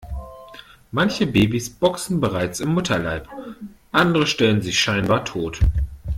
Manche Babys boxen bereits im Mutterleib, andere stellen sich scheinbar tot.